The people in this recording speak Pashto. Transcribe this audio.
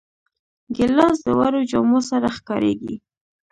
ګیلاس د وړو جامو سره ښکارېږي.